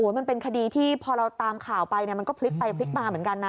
มันเป็นคดีที่พอเราตามข่าวไปมันก็พลิกไปพลิกมาเหมือนกันนะ